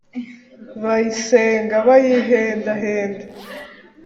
bayisenga: bayihendahenda